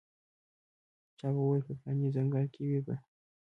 چا به ویل په پلاني ځنګل کې وي به.